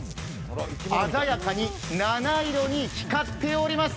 鮮やかに７色に光っております。